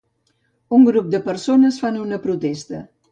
Un grup de persones fan una protesta